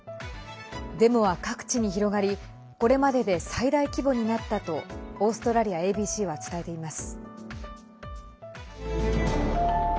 デモは各地に広がりこれまでで最大規模になったとオーストラリアＡＢＣは伝えています。